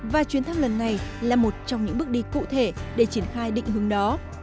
và chuyến thăm lần này là một trong những bước đi cụ thể để triển khai định hướng đó